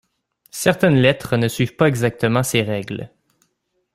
Certaines lettres ne suivent pas exactement ces règles.